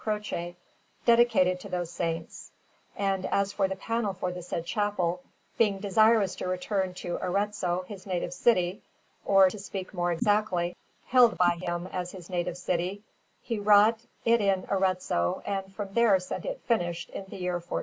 Croce, dedicated to those Saints; and as for the panel for the said chapel, being desirous to return to Arezzo, his native city, or, to speak more exactly, held by him as his native city, he wrought it in Arezzo, and from there sent it finished in the year 1400.